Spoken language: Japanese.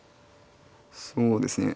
そうですね